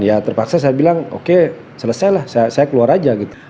ya terpaksa saya bilang oke selesai lah saya keluar aja gitu